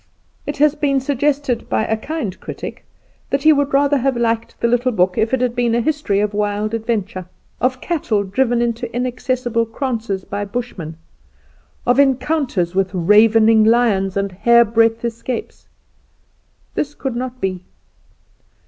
It has been suggested by a kind critic that he would better have liked the little book if it had been a history of wild adventure; of cattle driven into inaccessible kranzes by Bushmen; "of encounters with ravening lions, and hair breadth escapes." This could not be.